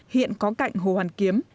hiện có cạnh hồ hoàn kiếm